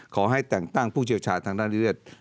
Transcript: ขอให้แต่งตั้งผู้เชี่ยวชาญทางด้านเลือด